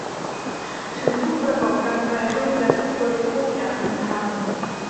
ถึงผู้ประกอบการแปรรูปและผู้บริโภคอย่างเป็นธรรม